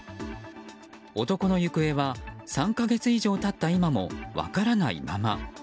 男の行方は３か月以上経った今も分からないまま。